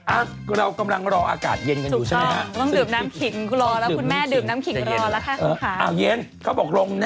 อ่ะเรากำลังรออากาศเย็นกันอยู่ใช่ไหมครับถูกต้องต้องดื่มน้ำขิงคุณแม่ดื่มน้ำขิงรอแล้วค่ะคุณค้า